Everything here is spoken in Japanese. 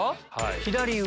左上。